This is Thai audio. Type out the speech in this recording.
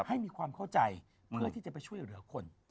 ให้มีความเข้าใจเพื่อที่จะไปช่วยเหลือคน